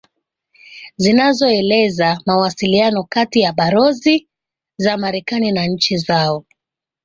zinazoeleza mawasiliano kati ya barozi za marekani na nchi zao